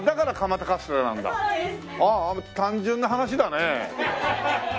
ああ単純な話だね。